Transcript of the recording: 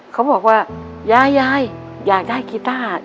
เขาบอกว่ายายอยากได้กีต้า